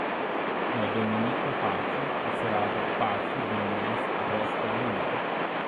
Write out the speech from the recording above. Nuo Dominyko Paco atsirado Pacų giminės Bresto linija.